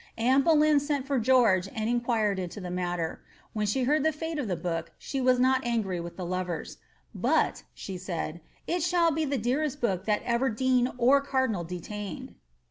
Anne Boleyn sent for George and inquired into the matter. When she heard the fate of the b<>ok she was not angry with the lovers. ^ But," said she, ^ it shall be the dearest book that ever dean or cardinal deUiined."